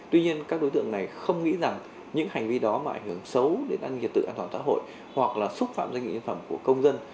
tuy nhiên các đối tượng này không nghĩ rằng những hành vi đó mà ảnh hưởng xấu đến ăn nghiệp tự an toàn xã hội hoặc là xúc phạm doanh nghiệp nhân phẩm của công dân